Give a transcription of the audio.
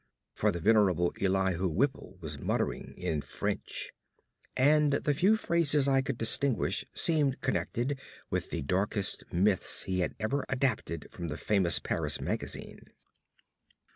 For the venerable Elihu Whipple was muttering in French, and the few phrases I could distinguish seemed connected with the darkest myths he had ever adapted from the famous Paris magazine.